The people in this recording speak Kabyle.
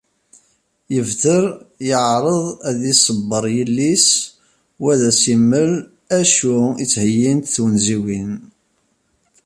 Yebter yeεreḍ ad iṣebber yell-is u ad s-imel acu i d-ttheyyint twenziwin.